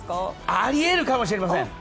あり得るかもしれません。